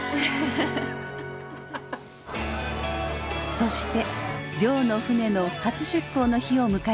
そして亮の船の初出港の日を迎えました。